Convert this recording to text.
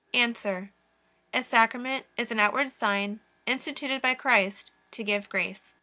A. A Sacrament is an outward sign instituted by Christ to give grace.